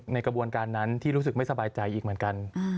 ในกระบวนการนั้นที่รู้สึกไม่สบายใจอีกเหมือนกัน